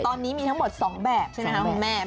ตอนนี้มีทั้งหมด๒แบบใช่ไหมคะคุณแม่